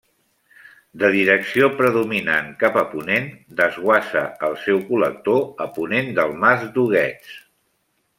De direcció predominant cap a ponent, desguassa al seu col·lector a ponent del Mas d'Huguets.